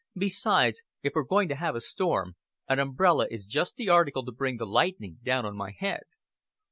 "Besides, if we're going to have a storm, an umbrella is just the article to bring the lightning down on my head."